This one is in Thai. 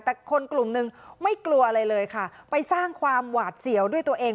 แต่คนกลุ่มหนึ่งไม่กลัวอะไรเลยค่ะไปสร้างความหวาดเสียวด้วยตัวเอง